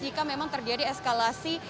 jika memang terjadi eskalasi